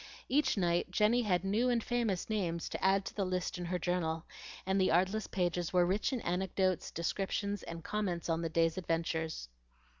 Each night Jenny had new and famous names to add to the list in her journal, and the artless pages were rich in anecdotes, descriptions, and comments on the day's adventures.